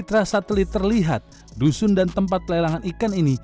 iya masih bertahan saya di tempat di sini